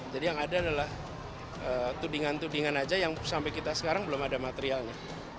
jadi yang ada adalah tudingan tudingan aja yang sampai kita sekarang belum ada materialnya